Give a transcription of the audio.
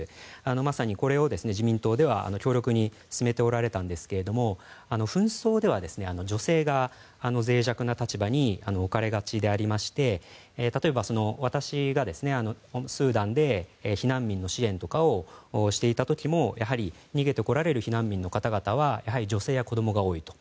まさにこれを自民党は強力に進めておられたんですが紛争では、女性が脆弱な立場に置かれがちでありまして例えば、私がスーダンで避難民の支援とかをしていた時も逃げてこられる避難民の方々はやはり、女性や子供が多いと。